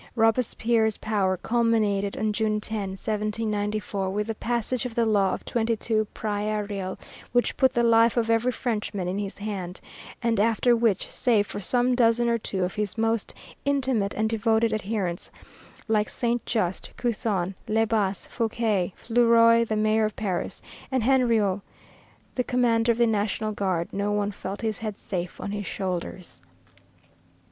Robespierre's power culminated on June 10, 1794, with the passage of the Law of 22 Prairial, which put the life of every Frenchman in his hand, and after which, save for some dozen or two of his most intimate and devoted adherents like Saint Just, Couthon, Le Bas, Fouquier, Fleuriot the Mayor of Paris, and Henriot, the commander of the national guard, no one felt his head safe on his shoulders.